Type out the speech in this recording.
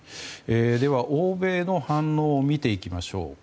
では、欧米の反応を見ていきましょう。